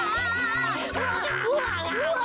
うわっうわっうわ！